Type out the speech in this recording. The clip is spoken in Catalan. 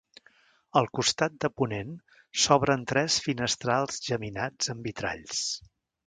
Al costat de ponent s'obren tres finestrals geminats amb vitralls.